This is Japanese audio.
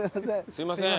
すいません。